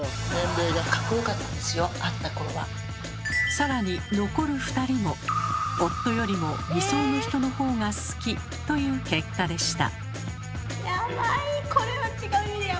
更に残る２人も夫よりも理想の人の方が好きという結果でした。